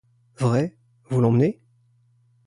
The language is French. Vrai ? vous l’emmenez ?